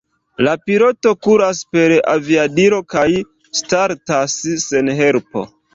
La piloto kuras per aviadilo kaj startas sen helpo.